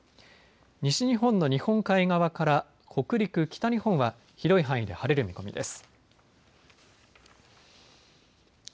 西日本の日本海側から北陸、北日本は広い範囲で晴れる見込みです。